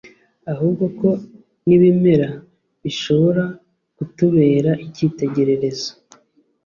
ahubwo ko n'ibimera bishobora kutubera icyitegererezo